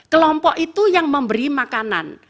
kelompok itu yang memberi makanan